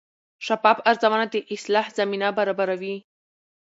شفاف ارزونه د اصلاح زمینه برابروي.